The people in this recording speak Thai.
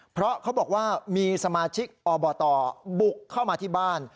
เพราะเขาบอกว่ามีสมาชิกอบตบุกเข้ามาที่บ้าน